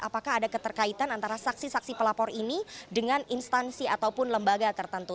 apakah ada keterkaitan antara saksi saksi pelapor ini dengan instansi ataupun lembaga tertentu